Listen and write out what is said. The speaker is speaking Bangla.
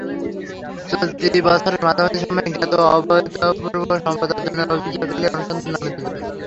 চলতি বছরের মাঝামাঝি সময়ে জ্ঞাত আয়বহির্ভূত সম্পদ অর্জনের অভিযোগ এলে অনুসন্ধানে নামে দুদক।